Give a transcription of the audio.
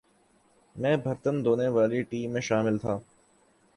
میں برتن دھونے والی ٹیم میں شامل تھا ۔